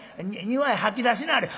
庭へ吐き出しなはれ」。